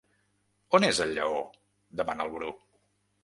On és el lleó? —demana el Bru.